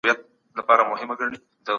ولاړه ګرځم ناسته خوند نه راکوينه